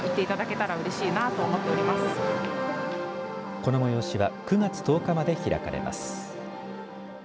この催しは９月１０日まで開かれます。